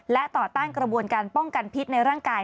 และต่อต้านกระบวนการป้องกันพิษในร่างกาย